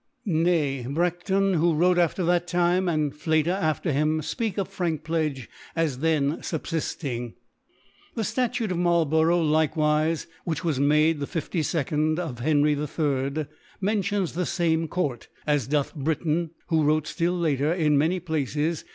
Nay, BraSion^ who wrote after that Time, and Fkta after him, fpeak of Frankpledge as then fubfiQing. The Statute of Marlborough likcwife, which was made. the 5^d of Henry III. mentions the fame Court •, as doth Briton^ who wrote flill later, in many Places.